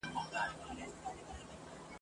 هري خواته وه آسونه ځغلېدله !.